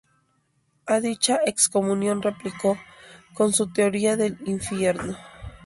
A dicha excomunión replicó con su "Teoría del infierno".